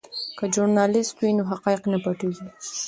که ژورنالیست وي نو حقایق نه پټیږي.